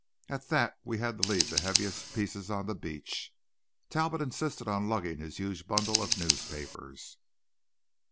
At that we had to leave the heaviest pieces on the beach. Talbot insisted on lugging his huge bundle of newspapers.